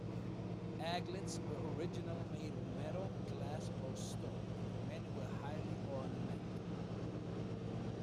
Aglets were originally made of metal, glass, or stone, and many were highly ornamental.